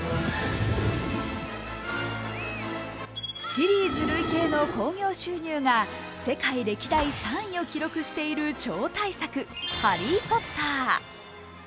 シリーズ累計の興行収入が世界歴代３位を記録している超大作「ハリー・ポッター」。